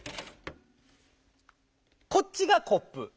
こっちがコップ。